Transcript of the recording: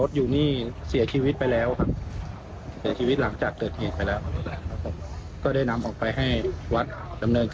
ก็วันปล่อยผีอะไรประมาณนี้เหมือนมาบอกมากล่าวให้เอาออก